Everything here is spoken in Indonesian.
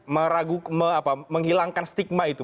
meraguk menghilangkan stigma itu